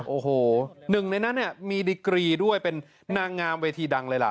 โอ้โหหนึ่งในนั้นเนี่ยมีดิกรีด้วยเป็นนางงามเวทีดังเลยล่ะ